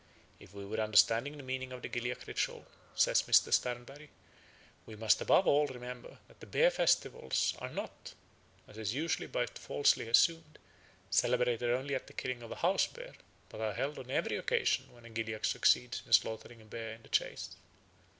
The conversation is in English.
If we would understand the meaning of the Gilyak ritual, says Mr. Sternberg, "we must above all remember that the bear festivals are not, as is usually but falsely assumed, celebrated only at the killing of a house bear but are held on every occasion when a Gilyak succeeds in slaughtering a bear in the chase.